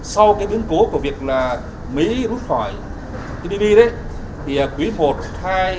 sau cái biến cố của việc là mỹ rút khỏi